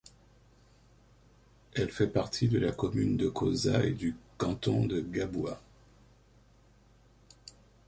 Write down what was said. Elle fait partie de la commune de Koza et du canton de Gaboua.